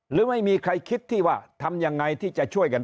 หรือไม่มีใครคิดที่ว่าทำยังไงที่จะช่วยกัน